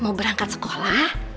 mau berangkat sekolah